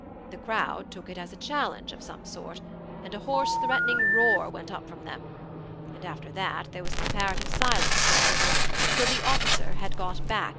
The crowd took it as a challenge of some sort, and a hoarse threatening roar went up from them; and after that there was comparative silence for a little, till the officer had got back into the ranks.